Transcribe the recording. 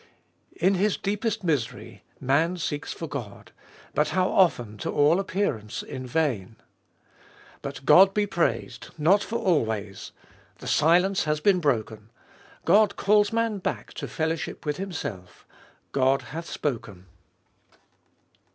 In his deepest misery man seeks for God — but how often, to all appearance, in vain. But, God 32 Cbe Iboliest of Bit be praised, not for always. The silence has been broken. God calls man back to fellowship with Himself. God hath spoken